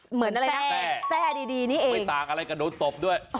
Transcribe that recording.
เหมือนอะไรนะแทร่ดีนี่เองไม่ต่างอะไรก็โดนตบด้วย